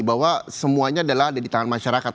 bahwa semuanya adalah ada di tangan masyarakat